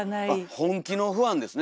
本気のファンですね